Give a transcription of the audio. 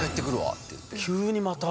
急にまた。